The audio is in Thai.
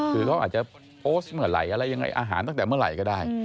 คือเขาอาจจะโพสต์เมืองไรอะไรยังไง